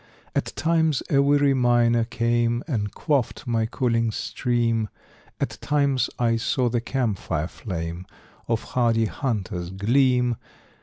At times a weary miner came And quaffed my cooling stream, At times I saw the camp fire flame Of hardy hunters gleam.